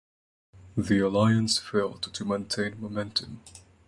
The Alliance failed to maintain momentum.